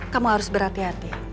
kamu harus berhati hati